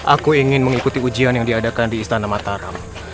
aku ingin mengikuti ujian yang diadakan di istana mataram